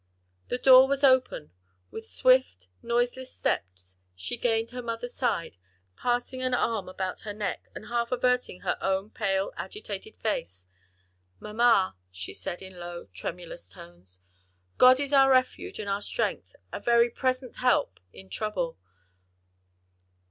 The door was open; with swift, noiseless steps she gained her mother's side; passing an arm about her neck, and half averting her own pale, agitated face, "Mamma," she said in low, tremulous tones, "'God is our refuge and strength, a very present help in trouble!'